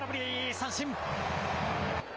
三振。